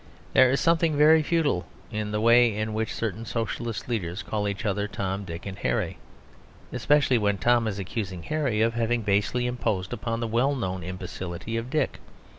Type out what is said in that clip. There is something very futile in the way in which certain Socialist leaders call each other Tom, Dick, and Harry; especially when Tom is accusing Harry of having basely imposed upon the well known imbecility of Dick.